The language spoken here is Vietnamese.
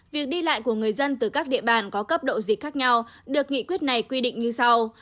việc đi lại của người dân từ các địa bàn có cấp độ dịch khác nhau được nghị quyết này quy định như sau